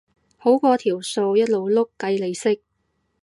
好過條數一路碌計利息